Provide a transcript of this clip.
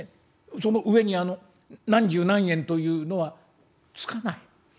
その上にあの何十何円というのはつかない？